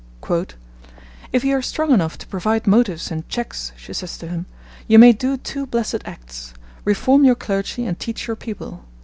'If you are strong enough to provide motives and checks,' she says to him, 'you may do two blessed acts reform your clergy and teach your people.